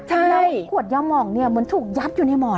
ใช่ค่ะแล้วขวดยาวหมองนี่เหมือนถูกยับอยู่ในหมอน